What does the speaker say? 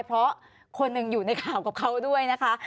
เพราะคนหนึ่งอยู่ในข่าวกับเขาด้วยนะคะ